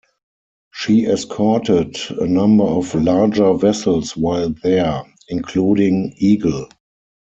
She escorted a number of larger vessels while there, including "Eagle".